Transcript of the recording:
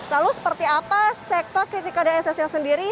lalu seperti apa sektor kritikal dan esensial sendiri